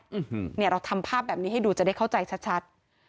เราทำภาพแบบนี้ให้ดูจะได้เข้าใจชัด